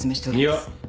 いや。